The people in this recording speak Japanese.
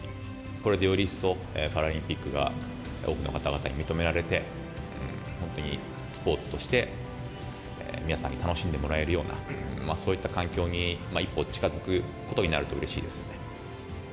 これでより一層、パラリンピックが多くの方々に認められて、本当にスポーツとして、皆さんに楽しんでもらえるような、そういった環境に一歩近づくことになるとうれしいですよね。